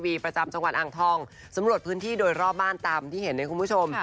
พี่เอ๋ประจำจังหวัดอังทองสำรวจพื้นที่โดยรอบบ้านตามที่เห็นละครูมิชม